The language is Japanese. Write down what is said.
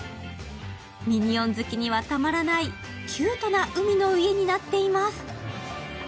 ミニオン好きにはたまらないキュートな海の家になっています。